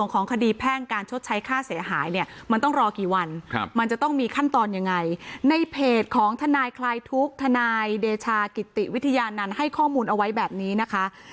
ของคดีแพ่งการชดใช้ค่าเสียหายเนี่ยมันต้องรอกี่วันมันจะต้องมีขั้นตอนยังไงในเพจของทนายคลายทุกข์ทนายเดชากิติวิทยานันต์ให้ข้อมูลเอาไว้แบบนี้นะคะ